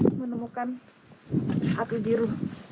untuk bisa menemukan atu jiru